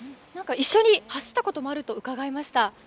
一緒に走ったこともあると伺いました。